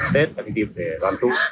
tết là cái dịp để đoán tu